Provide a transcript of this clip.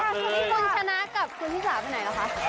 อันนี้ดอนไม่ใช่ว่าอันนี้ปอยหรือเปล่า